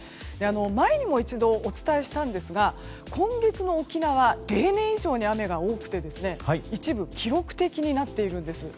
前にも一度お伝えしたんですが今月の沖縄例年以上に雨が多くて一部記録的になっているんです。